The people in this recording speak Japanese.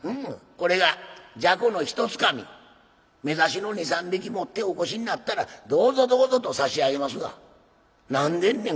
これがじゃこの一つかみめざしの２３匹持ってお越しになったらどうぞどうぞと差し上げますが何でんねん